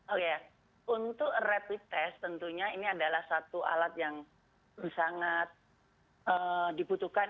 oke untuk rapid test tentunya ini adalah satu alat yang sangat dibutuhkan